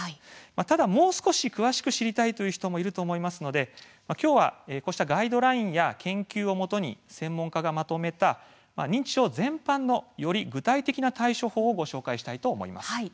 ただ、もう少し詳しく知りたいという人もいると思いますのでこうしたガイドラインや研究をもとに専門家がまとめた認知症全般のより具体的な対処法を紹介したいと思います。